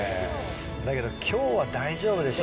だけど今日は大丈夫でしょ。